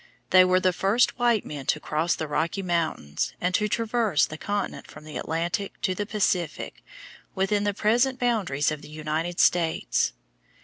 They were the first white men to cross the Rocky Mountains and to traverse the continent from the Atlantic to the Pacific within the present boundaries of the United States.